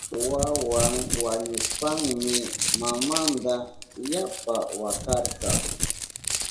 Wawan wañushpanmi mamanta yapa wakarka.